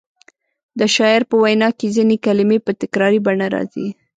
د شاعر په وینا کې ځینې کلمې په تکراري بڼه راځي.